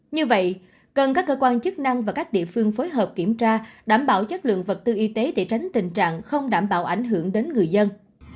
như vậy cần các cơ quan chức năng và các địa phương phối hợp kiểm tra đảm bảo chất lượng vật tư y tế để tránh tình trạng không đảm bảo ảnh hưởng đến người dân